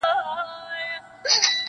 انسان وجدان سره مخ کيږي تل,